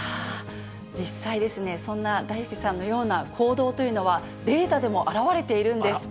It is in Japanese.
実際、そんなだいすけさんのような行動というのは、データでも表れているんです。